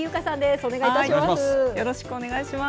お願いいたします。